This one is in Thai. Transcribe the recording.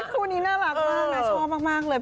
คู่นี้น่ารักมากนะชอบมากเลย